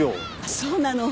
そうなの。